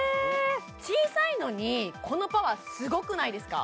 小さいのにこのパワーすごくないですか？